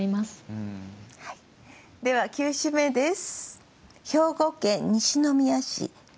では９首目です。